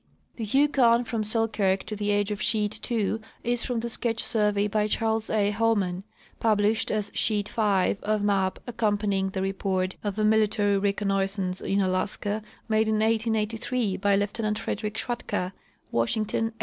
The Yukon from Selkirk to the edge of sheet ii is from the sketch survey by Charles A. Homan, published as sheet 5 of map accompanying the report of a military reconnoissance in Alaska, made in 1888 by Lieutenant Frederick Schwatka (Washington, 1885).